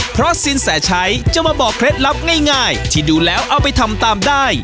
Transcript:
เพราะสินแสชัยจะมาบอกเคล็ดลับง่ายที่ดูแล้วเอาไปทำตามได้